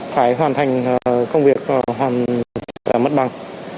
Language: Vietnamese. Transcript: phải hoàn thành công việc hoàn trả mất bằng